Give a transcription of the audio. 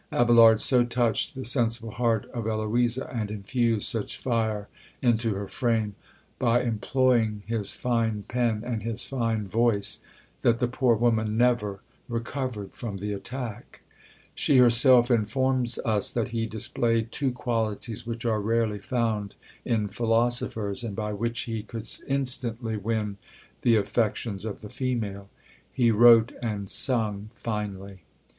Abelard so touched the sensible heart of Eloisa, and infused such fire into her frame, by employing his fine pen, and his fine voice, that the poor woman never recovered from the attack. She herself informs us that he displayed two qualities which are rarely found in philosophers, and by which he could instantly win the affections of the female; he wrote and sung finely.